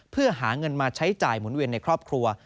เพื่อหาเงินมาใช้จ่ายหมุนเวียนในครอบครัว